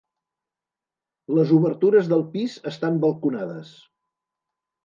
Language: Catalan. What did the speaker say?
Les obertures del pis estan balconades.